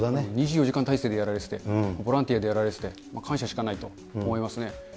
２４時間態勢でやられてて、ボランティアでやられてて、感謝しかないと思いますね。